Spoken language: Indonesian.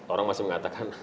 orang masih mengatakan